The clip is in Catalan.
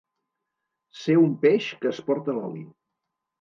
Ser un peix que es porta l'oli.